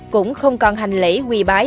cũng không còn hành lễ quỳ bái